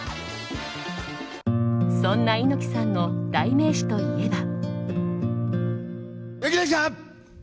そんな猪木さんの代名詞といえば。